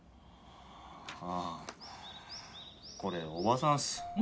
ああこれ伯母さんっす。